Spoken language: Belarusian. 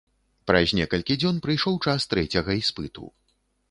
Праз некалькі дзён прыйшоў час трэцяга іспыту.